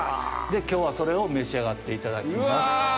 今日はそれを召し上がっていただきます。